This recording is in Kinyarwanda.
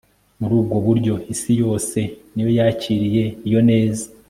muri ubwo buryo isi yose ni yo yakiriye iyo neza